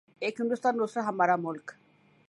:ایک ہندوستان اوردوسرا ہمارا ملک۔